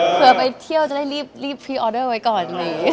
เผื่อไปเที่ยวจะได้รีบพรีออเดอร์ไว้ก่อน